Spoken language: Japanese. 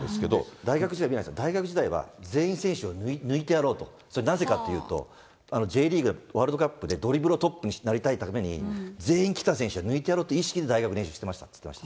大学時代、大学時代は、全員選手を抜いてやろうと、それなぜかというと、Ｊリーグはワールドカップでドリブルでトップになりたいために、全員、来た選手を抜いてやろうという意識で大学で練習してましたって言ってました。